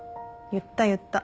言った言った。